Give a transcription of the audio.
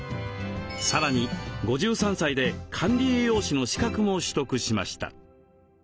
さらに５３歳で管理栄養士の資格も取得しました。